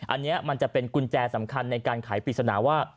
อันนี้มันจะเป็นกุญแจสำคัญในการขายปริศนาว่า